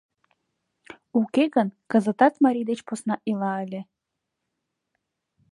Уке гын, кызытат марий деч посна ила ыле.